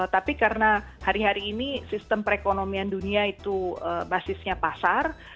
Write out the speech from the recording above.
tapi karena hari hari ini sistem perekonomian dunia itu basisnya pasar